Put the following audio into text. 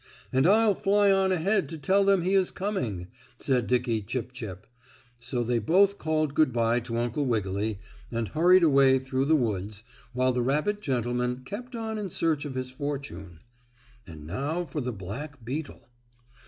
"And I'll fly on ahead to tell them he is coming," said Dickie Chip Chip. So they both called good by to Uncle Wiggily, and hurried away through the woods, while the rabbit gentleman kept on in search of his fortune. And now for the black beetle.